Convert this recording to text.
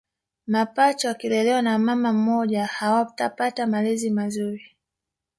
Mapacha wakilelewa na mama mmoja hawatapata malezi mazuri